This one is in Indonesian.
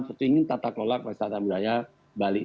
pergub yang diperlukan adalah perwisataan budaya bali